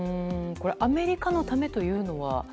アメリカのためというのは？